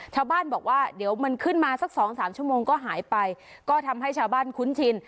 ชาวบ้านบอกว่าเดี๋ยวมันขึ้นมาสักสองสามชั่วโมงก็หายไปก็ทำให้ชาวบ้านคุ้นชิน